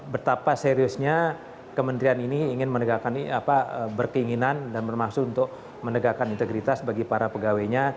betapa seriusnya kementerian ini ingin berkeinginan dan bermaksud untuk menegakkan integritas bagi para pegawainya